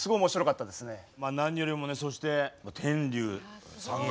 何よりもねそして天龍さんが。